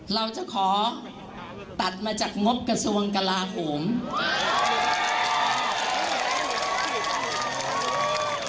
เราจะขอตัดมาจากงบกระทรวงกลาโหม